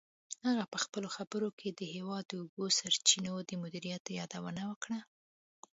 هغه په خپلو خبرو کې د هېواد د اوبو سرچینو د مدیریت یادونه وکړه.